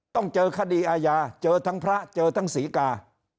ต้องเจอคดีอาญาเจอทั้งพระเจอทั้งศรีกา